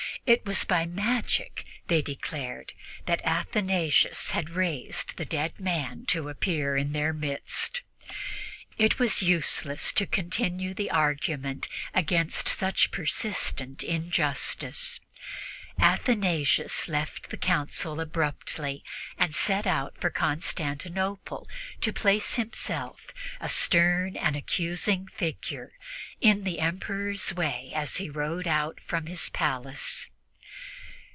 It was by magic, they declared, that Athanasius had caused the dead man to appear in their midst. It was useless to continue the argument against such persistent injustice. Athanasius left the Council abruptly and set out for Constantinople to place himself, a stern and accusing figure, in the Emperor's way as he rode out from his palace.